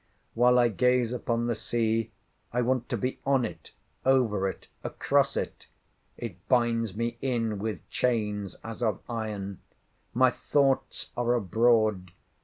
While I gaze upon the sea, I want to be on it, over it, across it. It binds me in with chains, as of iron. My thoughts are abroad.